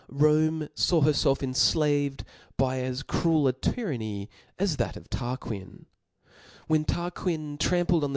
Rome faw hcrfclf enflaved by as cruel ;a tyranny, as that of Tarquin, When Tarquin trampled on the.